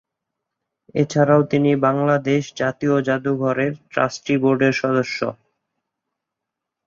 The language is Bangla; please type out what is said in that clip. এছাড়া তিনি বাংলাদেশ জাতীয় জাদুঘরের ট্রাস্টি বোর্ডের সদস্য।